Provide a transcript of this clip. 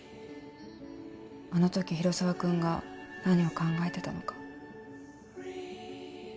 あのとき広沢君が何を考えてたのか